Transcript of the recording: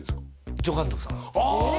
助監督さんあ！